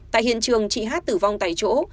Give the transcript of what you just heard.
tại hiện trường chị h tử vong tại chỗ